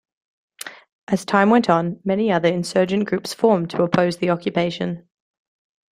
As time went on, many other insurgent groups formed to oppose the occupation.